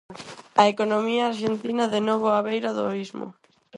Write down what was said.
'A economía arxentina de novo á beira do abismo'.